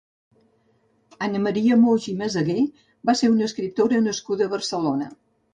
Anna Maria Moix i Meseguer va ser una escriptora nascuda a Barcelona.